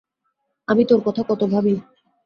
আমি তোর কথা কত ভাবি।